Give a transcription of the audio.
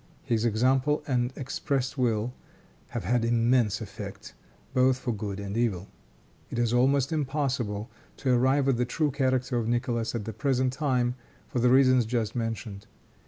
His example and expressed will have had immense effect, both for good and evil. It is almost impossible to arrive at the true character of Nicholas at the present time, for the reasons just mentioned.